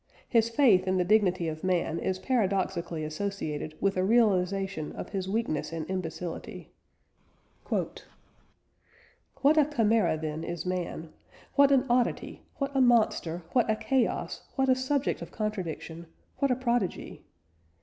His faith in the dignity of man is paradoxically associated with a realisation of his weakness and imbecility: "What a chimera, then, is man! What an oddity, what a monster, what a chaos, what a subject of contradiction, what a prodigy!